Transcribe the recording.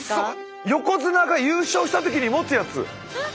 横綱が優勝した時に持つやつ！